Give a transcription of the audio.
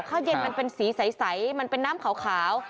ข้าวเย็นมันเป็นสีใสมันเป็นน้ำขาว